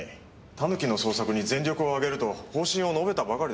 タヌキの捜索に全力をあげると方針を述べたばかりですが。